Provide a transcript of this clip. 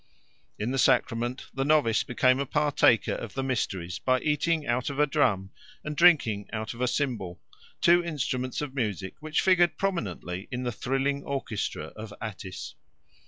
In the sacrament the novice became a partaker of the mysteries by eating out of a drum and drinking out of a cymbal, two instruments of music which figured prominently in the thrilling orchestra of Attis.